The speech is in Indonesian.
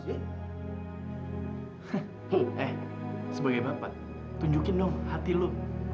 eh sebagai bapak tunjukin dong hati lu